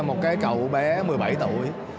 một cái cậu bé một mươi bảy tuổi